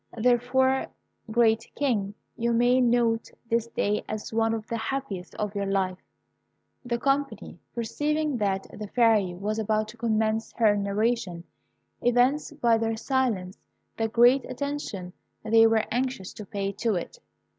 Therefore, great King, you may note this day as one of the happiest of your life." The company, perceiving that the Fairy was about to commence her narration, evinced by their silence the great attention they were anxious to pay to it.